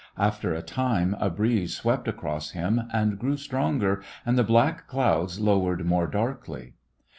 After a time, a breeze swept across him and grew stronger, and the black clovids lowered more darkly.